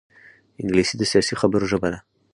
انګلیسي د سیاسي خبرو ژبه ده